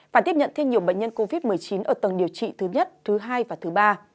và tiếp nhận thêm nhiều bệnh nhân covid một mươi chín ở tầng điều trị thứ nhất thứ hai và thứ ba